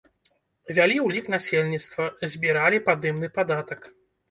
Вялі ўлік насельніцтва, збіралі падымны падатак.